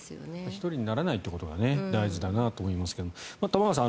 １人にならないってことが大事だなと思いますが玉川さん